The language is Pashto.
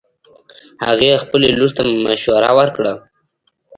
هغې خبلې لور ته مشوره ورکړه